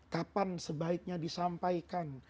kapan sebaiknya disampaikan